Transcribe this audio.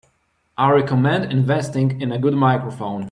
I recommend investing in a good microphone.